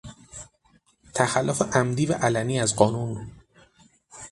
تخلف عمدی و علنی از قانون